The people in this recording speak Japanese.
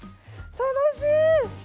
楽しい！